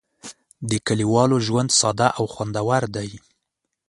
د کلیوالو ژوند ساده او خوندور دی.